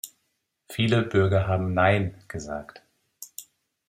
Viele Bürger haben Nein gesagt.